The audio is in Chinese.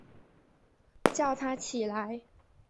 叫他起来